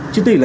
chứ tỷ lệ